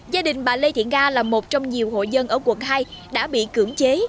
gia đình bà lê thiện nga là một trong nhiều hộ dân ở quận hai đã bị cưỡng chế